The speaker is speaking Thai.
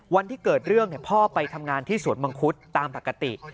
วันที่เกิดเรื่องพ่อไปทำงานที่สวนมังคุดตามปกติ